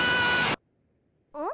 うん？